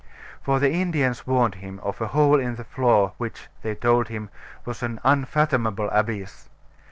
For the Indians warned him of a hole in the floor which (they told him) was an unfathomable abyss.